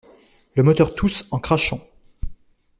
Le moteur tousse en crachant.